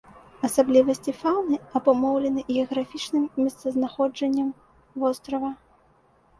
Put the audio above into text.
Асаблівасці фаўны абумоўлены геаграфічным месцазнаходжаннем вострава.